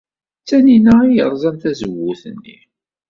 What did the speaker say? D Taninna ay yerẓan tazewwut-nni.